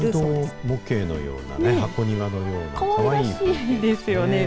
鉄道模型のような、箱庭のようなかわいいらしいですよね。